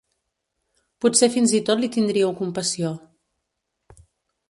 Potser fins i tot li tindríeu compassió.